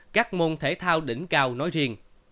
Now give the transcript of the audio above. các môn thể thao đỉnh cao nói riêng